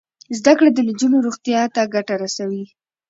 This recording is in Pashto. زده کړه د نجونو روغتیا ته ګټه رسوي.